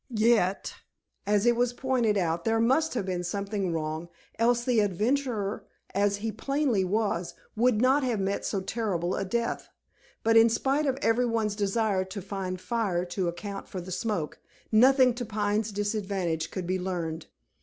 Yet as was pointed out there must have been something wrong, else the adventurer, as he plainly was, would not have met so terrible a death. But in spite of every one's desire to find fire to account for the smoke, nothing to Pine's disadvantage could be learned.